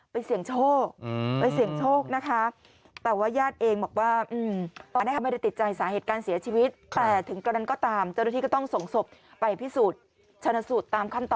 เสี่ยงโชคไปเสี่ยงโชคนะคะ